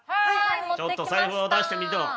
ちょっと財布を出して見せろ。